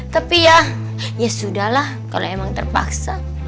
tapi ya ya sudahlah kalau emang terpaksa